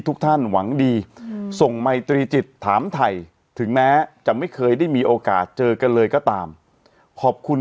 ทุกท่านหวังดีส่งไมตรีจิตถามไทยถึงแม้จะไม่เคยได้มีโอกาสเจอกันเลยก็ตามขอบคุณ